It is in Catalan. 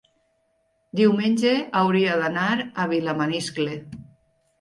diumenge hauria d'anar a Vilamaniscle.